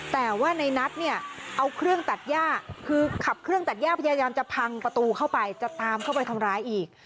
แต่ว่าในนัทเนี่ยเอาเครื่องตัดย่าคือขับเครื่องตัดย่าพยายามจะพังประตูเข้าไปจะตามเข้าไปทำร้ายอีก